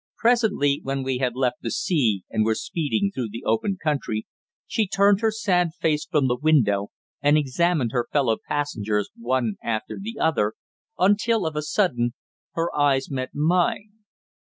Presently, when we had left the sea and were speeding through the open country, she turned her sad face from the window and examined her fellow passengers one after the other until, of a sudden, her eyes met mine.